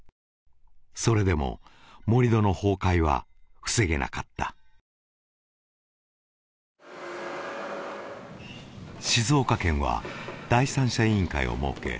それでも盛り土の崩壊は防げなかった静岡県は第三者委員会を設け